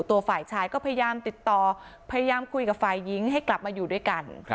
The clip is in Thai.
ตัวฝ่ายชายก็พยายามติดต่อพยายามคุยกับฝ่ายหญิงให้กลับมาอยู่ด้วยกัน